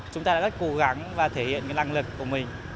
chúng ta đã rất cố gắng và thể hiện năng lực của mình